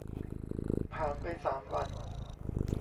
ผ่านไปสามวัน